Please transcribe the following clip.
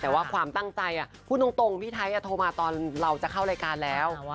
แต่ว่าความตั้งใจพูดตรงพี่ไทยโทรมาตอนเราจะเข้ารายการแล้ว